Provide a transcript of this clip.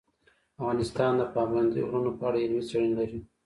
افغانستان د پابندی غرونه په اړه علمي څېړنې لري.